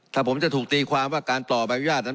ถ้าผมจะถูกตีความว่าการต่อไปบริษัท